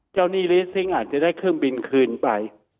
เจ้านี่ลีซิ่งอาจจะได้เครื่องบินคืนไป